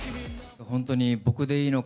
本当に僕でいいのか？